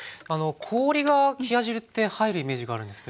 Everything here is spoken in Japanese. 氷が冷や汁って入るイメージがあるんですけど。